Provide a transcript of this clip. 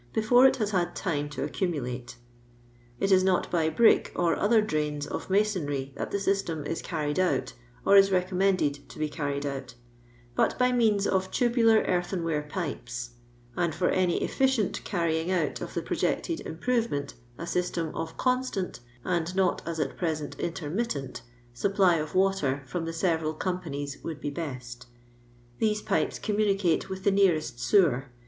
before it has bad time to un mulate. It is not by brick or other draini of masonry that the system ia carried out or is n> commended to be carried out^ but by meant of tubular earthenware pipes ; and ibr any effideut carrying out of the projected improvement a system of constant, and not as at present inttr^ mtUent, supply of water from the several eam pauies would be best. These pipes communioOe with the nearest sewer.